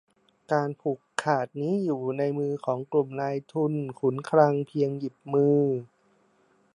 การผูกขาดนี้อยู่ในมือของกลุ่มนายทุนขุนคลังเพียงหยิบมือ